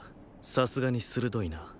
さすがに鋭いな。